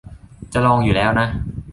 จะลองอยู่แล้วนะ